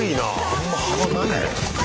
あんま幅ないよ。